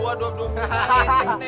buat dua dua minggu lagi